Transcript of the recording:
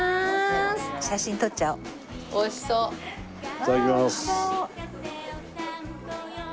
いただきます。